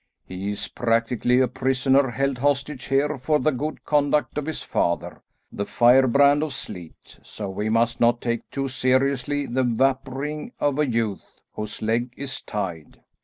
He is practically a prisoner, held hostage here for the good conduct of his father, the firebrand of Sleat, so we must not take too seriously the vapouring of a youth whose leg is tied.